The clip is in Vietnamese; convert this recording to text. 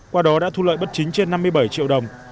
qua đó đã thu lợi bất chính trên năm mươi bảy triệu đồng